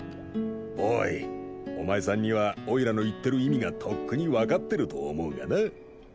ボーイお前さんにはおいらの言ってる意味がとっくに分かってると思うがな？